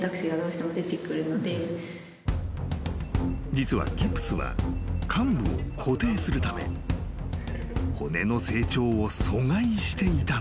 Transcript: ［実はギプスは患部を固定するため骨の成長を阻害していたのだ］